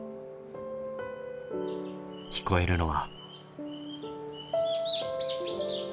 聞こえるのは。